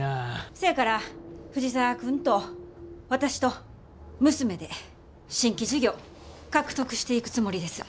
せやから藤沢君と私と娘で新規事業獲得していくつもりです。